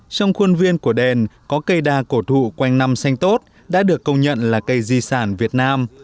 trong khuôn viên của đền có cây đa cổ thụ quanh năm xanh tốt đã được công nhận là cây di sản việt nam